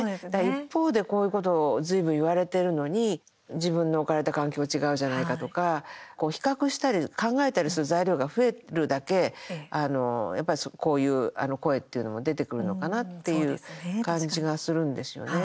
一方で、こういうことずいぶん言われているのに自分の置かれた環境違うじゃないかとか、比較したり考えたりする材料が増えるだけこういう声っていうのも出てくるのかなっていう感じがするんですよね。